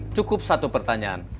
cukup satu pertanyaan